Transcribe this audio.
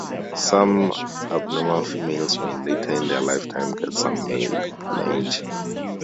Some abnormal females may later in their lifetime get some male plumage.